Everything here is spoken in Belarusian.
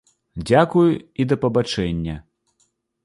Дзякуй і да пабачэння!